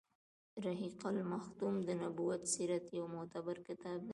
رحيق المختوم د نبوي سیرت يو معتبر کتاب دی.